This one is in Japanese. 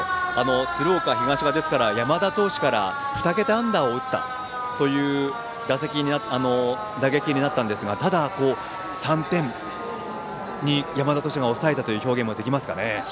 鶴岡東が山田投手から２桁安打を打ったという打撃になったんですがただ、３点に山田投手が抑えたという表現もできますかね。